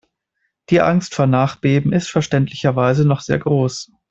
Die Angst vor Nachbeben ist verständlicherweise noch sehr groß.